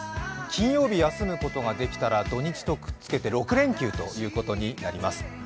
金曜日休むことができたら土日とくっつけて６連休ということになります。